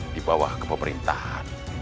di bawah kepemerintahan